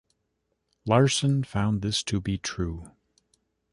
Larson found this to be true.